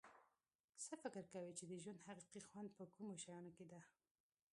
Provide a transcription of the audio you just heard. څه فکر کوی چې د ژوند حقیقي خوند په کومو شیانو کې ده